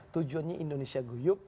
tujuannya indonesia guyup